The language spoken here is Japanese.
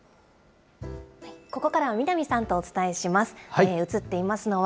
ここからは南さんとお伝えします。